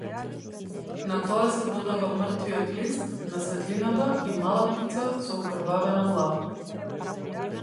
На тоа се додава мртвиот лист на светлината и мала птица со окрвавена глава.